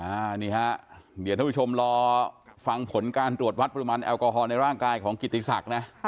อันนี้ฮะเดี๋ยวท่านผู้ชมรอฟังผลการตรวจวัดปริมาณแอลกอฮอลในร่างกายของกิติศักดิ์นะ